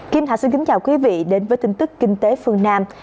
kim thạch xin kính chào quý vị đến với tin tức kinh tế phương nam